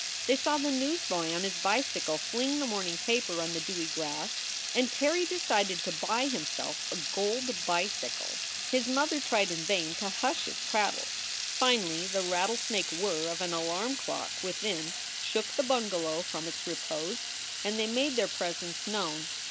They saw the newsboy on his bicycle fling the morning paper on the dewy grass, and Terry decided to buy himself a gold bicycle. His mother tried in vain to hush his prattle. Finally the rattlesnake whirr of an alarm clock within shook the bunga low from its repose and they made their presence known.